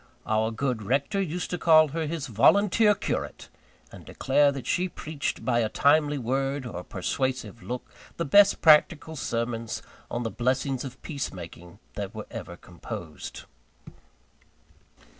Our good rector used to call her his Volunteer Curate; and declare that she preached by a timely word, or a persuasive look, the best practical sermons on the blessings of peace making that were ever composed.